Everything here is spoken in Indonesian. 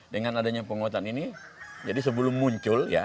dengan adanya penguatan ini jadi sebelum muncul ya